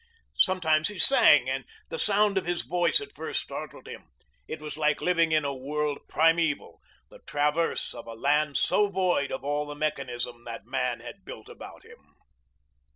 Sometimes he sang, and the sound of his voice at first startled him. It was like living in a world primeval, this traverse of a land so void of all the mechanism that man has built about him.